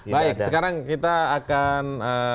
baik sekarang kita akan